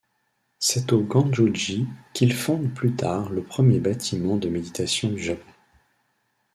C'est au Gangō-ji qu'il fonde plus tard le premier bâtiment de méditation du Japon.